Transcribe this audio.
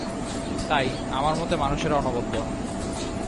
তাই, আমার মতে, মানুষেরা অনবদ্য।